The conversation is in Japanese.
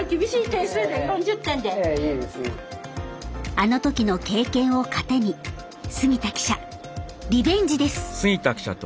あの時の経験を糧に杉田記者リベンジです！